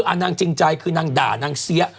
อเจมส์นางจริงใจนางด่านางเซี๊ยะ